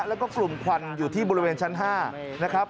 แล้วก็กลุ่มควันอยู่ที่บริเวณชั้น๕นะครับ